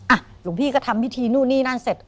หลวงพี่ก็ทำพิธีนู่นนี่นั่นเสร็จ